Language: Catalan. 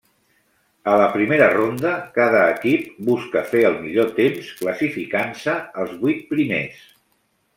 A la primera ronda cada equip busca fer el millor temps, classificant-se els vuit primers.